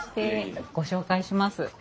ご紹介します。